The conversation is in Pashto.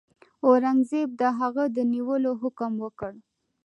اورنګزېب د هغه د نیولو حکم وکړ.